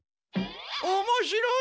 おもしろい！